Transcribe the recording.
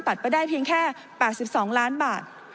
ไปได้เพียงแค่๘๒ล้านบาท